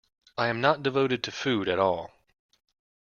I am not devoted to food at all.